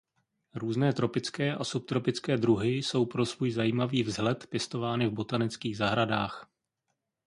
Různé tropické a subtropické druhy jsou pro svůj zajímavý vzhled pěstovány v botanických zahradách.